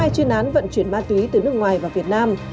hai chuyên án vận chuyển ma túy từ nước ngoài vào việt nam